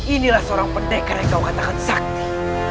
inilah seorang pendekar yang kau katakan sakti